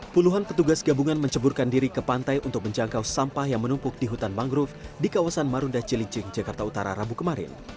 puluhan petugas gabungan menceburkan diri ke pantai untuk menjangkau sampah yang menumpuk di hutan mangrove di kawasan marunda cilincing jakarta utara rabu kemarin